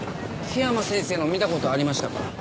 緋山先生の見たことありましたから。